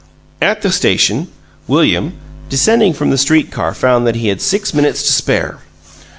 ... At the station, William, descending from the street car, found that he had six minutes to spare.